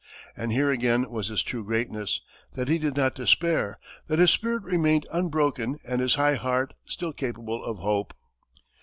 And here again was his true greatness that he did not despair, that his spirit remained unbroken and his high heart still capable of hope.